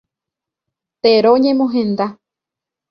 Tero ñemohenda.